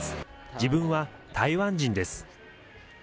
自分は台湾人です。